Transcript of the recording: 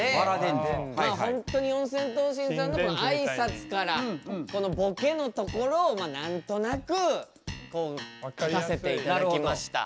まあほんとに四千頭身さんのあいさつからこのボケのところを何となくこう書かせて頂きました。